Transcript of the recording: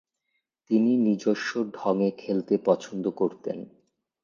তিনি নিজস্ব ঢংয়ে খেলতে পছন্দ করতেন।